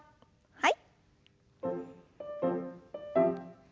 はい。